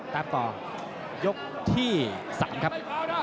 ตามต่อยกที่๓ครับ